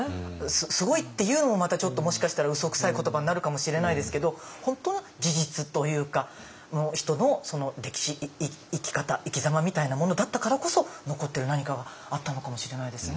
すごいっていうのもまたちょっともしかしたらうそくさい言葉になるかもしれないですけど本当の事実というか人の歴史生き方生きざまみたいなものだったからこそ残ってる何かがあったのかもしれないですね。